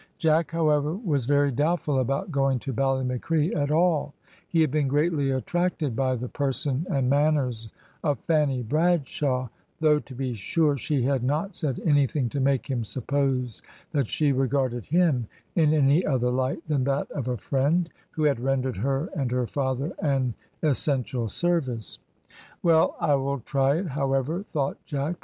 Jack, however, was very doubtful about going to Ballymacree at all; he had been greatly attracted by the person and manners of Fanny Bradshaw, though, to be sure, she had not said anything to make him suppose that she regarded him in any other light than that of a friend, who had rendered her and her father an essential service. "Well, I will try it, however," thought Jack.